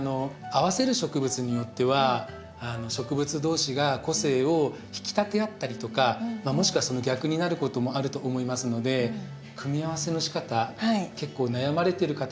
合わせる植物によっては植物同士が個性を引き立て合ったりとかもしくはその逆になることもあると思いますので組み合わせのしかた結構悩まれてる方は多いかもしれないですね。